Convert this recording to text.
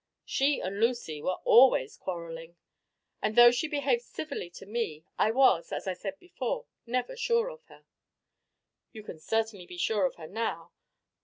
She and Lucy were always quarrelling, and though she behaved civilly to me, I was as I said before never sure of her." "You can certainly be sure of her now.